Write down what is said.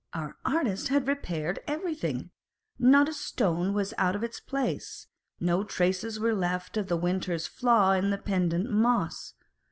Our artist had repaired everything : not a stone was out of its place : no traces were left of the winter's flaw in the pendent moss.